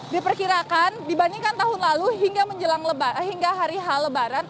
diperkirakan dibandingkan tahun lalu hingga hari h lebaran